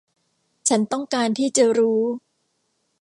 ฉันต้องการที่จะรู้